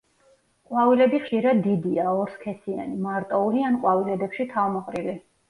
ყვავილები ხშირად დიდია, ორსქესიანი, მარტოული ან ყვავილედებში თავმოყრილი.